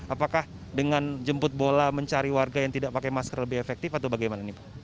apakah dengan jemput bola mencari warga yang tidak pakai masker lebih efektif atau bagaimana ini pak